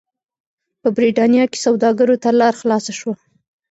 په برېټانیا کې سوداګرو ته لار خلاصه شوه.